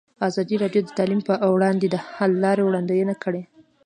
ازادي راډیو د تعلیم پر وړاندې د حل لارې وړاندې کړي.